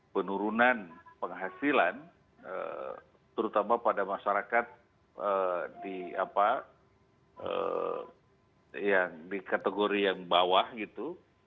penurunan penghasilan terutama pada masyarakat yang di kategori yang bawah gitu